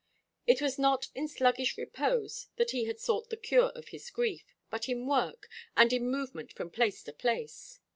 It was not in sluggish repose that he had sought the cure for his grief, but in work, and in movement from place to place.